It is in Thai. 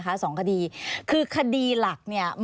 อันดับสุดท้าย